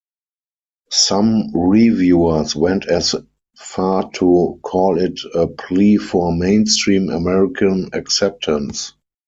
Some reviewers went as far to call it a plea for mainstream American acceptance.